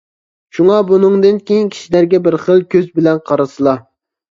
شۇڭا، بۇنىڭدىن كېيىن كىشىلەرگە بىر خىل كۆز بىلەن قارىسىلا.